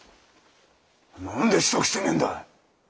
何で支度してねえんだ？